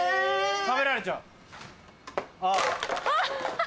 食べられちゃう。